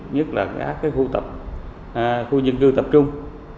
nhất là các khu tập khu dân cư tập trung